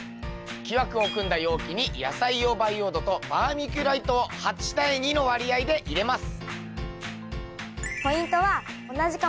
木枠を組んだ容器に野菜用培養土とバーミキュライトを８対２の割合で入れます。